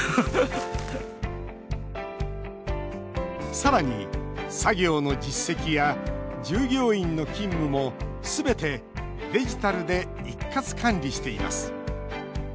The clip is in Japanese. さらに、作業の実績や従業員の勤務もすべてデジタルで一括管理しています。